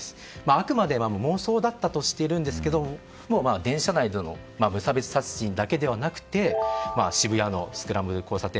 あくまで妄想だったとしているんですけれど電車内での無差別殺人だけではなくて渋谷のスクランブル交差点。